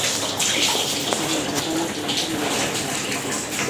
Һәм был задание тулыһы менән яҡшы үтәлде.